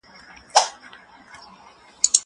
زه پرون نان خورم!